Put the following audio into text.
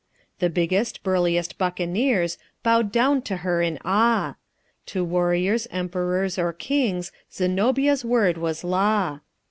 The biggest, burliest buccaneers bowed down to her in awe; To Warriors, Emperors or Kings, Zenobia's word was law.